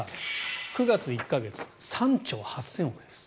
９月１か月３兆８０００億円です。